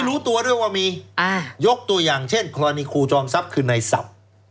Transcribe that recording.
ไม่รู้ตัวด้วยว่ามีอ่ายกตัวอย่างเช่นคลอนิคูจองทรัพย์คือในสับ